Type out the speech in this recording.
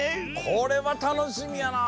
これはたのしみやな。